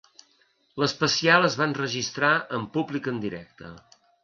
L'especial es va enregistrar amb públic en directe.